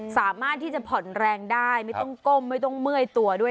สามารถที่จะผ่อนแรงได้ไม่ต้องก้มไม่ต้องเมื่อยตัวด้วย